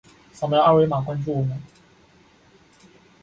扫描二维码关注我们。